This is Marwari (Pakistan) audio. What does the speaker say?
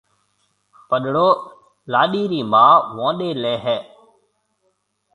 پڏڙو لاڏِي رِي مان وئونڏَي ليَ ھيََََ